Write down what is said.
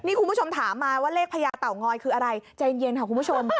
นี่คุณผู้ชมถามมาว่าเลขพญาเต่างอยคืออะไรใจเย็นค่ะคุณผู้ชม